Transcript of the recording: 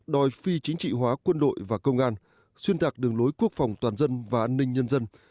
đòi phi chính trị hóa quân đội và công an xuyên tạc đường lối quốc phòng toàn dân và an ninh nhân dân